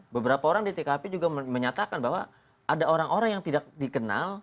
beberapa orang di tkp juga menyatakan bahwa ada orang orang yang tidak dikenal